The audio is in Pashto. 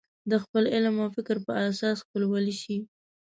د خپل علم او فکر په اساس خپلولی شي.